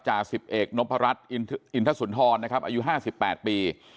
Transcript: จาสิบเอกนพรัชอินทสุนทรนะครับอายุห้าสิบแปดปี